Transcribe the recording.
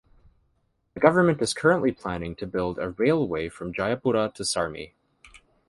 The government is currently planning to build a railway from Jayapura to Sarmi.